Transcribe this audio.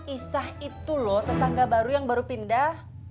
isah itu loh tetangga baru yang baru pindah